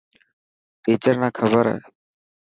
ٽيچر نا خبر هي.